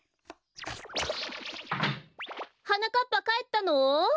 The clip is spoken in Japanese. はなかっぱかえったの？